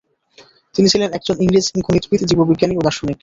তিনি ছিলেন একজন ইংরেজি গণিতবিদ, জীববিজ্ঞানী ও দার্শনিক।